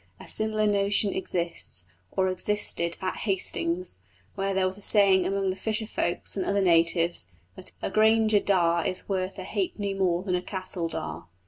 A similar notion exists, or existed, at Hastings, where there was a saying among the fisher folks and other natives that "a Grainger daa is worth a ha'penny more than a castle daa."